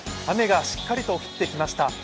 雨がしっかりと降ってきました。